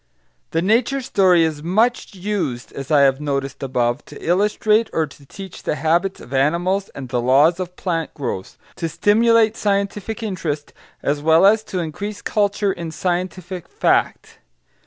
The nature story is much used, as I have noticed above, to illustrate or to teach the habits of animals and the laws of plant growth; to stimulate scientific interest as well as to increase culture in scientific fact.